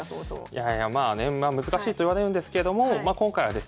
いやいやまあね難しいといわれるんですけれどもまあ今回はですね